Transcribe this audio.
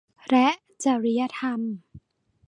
และจริยธรรม